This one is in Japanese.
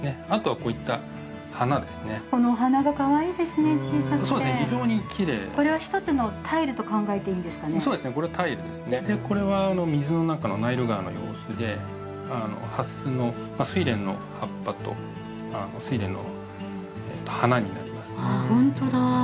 これはタイルですねでこれは水の中のナイル川の様子でハスのスイレンの葉っぱとスイレンの花になりますねああ